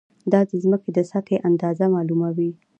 دا د ځمکې د سطحې اندازه معلوموي.